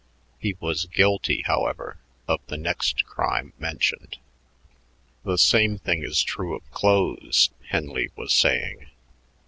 He was guilty, however, of the next crime mentioned. "The same thing is true of clothes," Henley was saying.